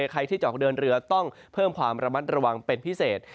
ใครที่จะออกเดินเรือต้องเพิ่มความระมัดระวังเป็นพิเศษ